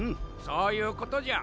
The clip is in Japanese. そういうことじゃ。